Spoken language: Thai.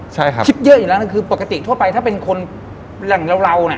ใช่ครับคิดเยอะอยู่แล้วนั่นคือปกติทั่วไปถ้าเป็นคนแหล่งเราเราเนี่ย